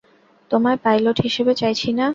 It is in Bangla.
তোমায় পাইলট হিসাবে চাইছি না।